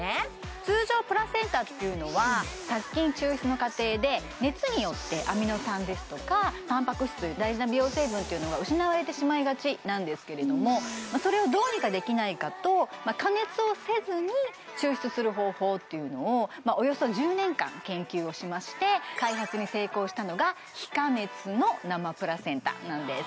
通常プラセンタっていうのは殺菌抽出の過程で熱によってアミノ酸ですとかたんぱく質という大事な美容成分というのが失われてしまいがちなんですがそれをどうにかできないかと加熱をせずに抽出する方法というのをおよそ１０年間研究をしまして開発に成功したのが非加熱の生プラセンタなんです